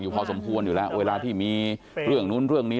พอสมควรอยู่แล้วเวลาที่มีเรื่องนู้นเรื่องนี้